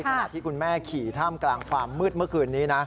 ขณะที่คุณแม่ขี่ท่ามกลางความมืดเมื่อคืนนี้นะ